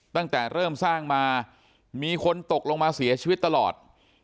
ตั้งแต่เริ่มสร้างมามีคนตกลงมาเสียชีวิตตลอด